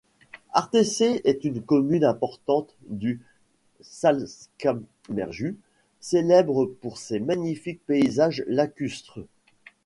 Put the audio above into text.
Attersee est une commune importante du Salzkammergut, célèbre pour ses magnifiques paysages lacustres.